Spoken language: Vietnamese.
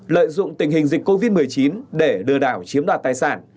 năm lợi dụng tình hình dịch covid một mươi chín để đưa đảo chiếm đoạt tài sản